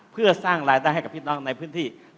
เพื่อสร้างรายได้ให้กับพี่น้องในพื้นที่